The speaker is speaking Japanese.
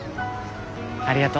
ありがと。